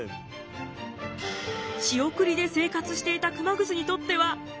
仕送りで生活していた熊楠にとっては大問題。